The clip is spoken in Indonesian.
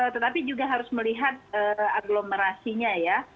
tetapi juga harus melihat agglomerasinya ya